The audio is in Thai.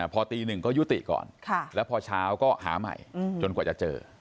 พอตีหนึ่งก็ยุติก่อนแล้วพอเช้าก็หาใหม่จนกว่าจะเจอ